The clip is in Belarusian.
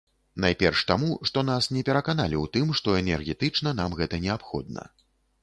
Найперш таму, што нас не пераканалі ў тым, што энергетычна нам гэта неабходна.